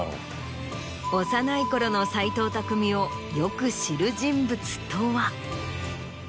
幼いころの斎藤工をよく知る人物とは。